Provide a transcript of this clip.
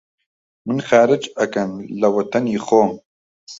من خارج ئەکەن لە وەتەنی خۆم!؟